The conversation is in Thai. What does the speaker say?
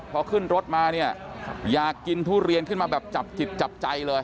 พอขึ้นรถมาเนี่ยอยากกินทุเรียนขึ้นมาแบบจับจิตจับใจเลย